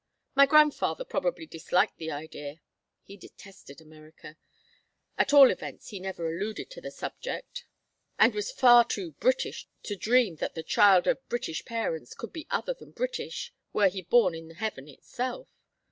My grandfather probably disliked the idea he detested America at all events he never alluded to the subject, and was far too British to dream that the child of British parents could be other than British were he born in heaven itself.